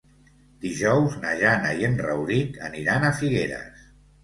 Dijous na Jana i en Rauric aniran a Figueres.